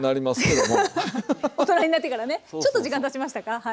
大人になってからねちょっと時間たちましたかはい。